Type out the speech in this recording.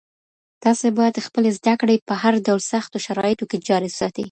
تاسي باید خپلي زدکړي په هر ډول سختو شرایطو کي جاري وساتئ.